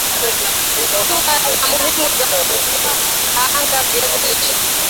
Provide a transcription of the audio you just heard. Hatua za muhumu za kukaanga viazi lishe